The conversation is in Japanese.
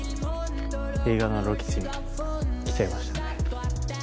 映画のロケ地に来ちゃいましたね。